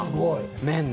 麺で。